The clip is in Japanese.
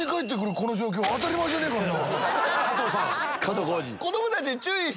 この状況当たり前じゃねえからな。